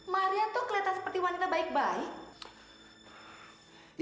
maria tuh kelihatan seperti wanita baik baik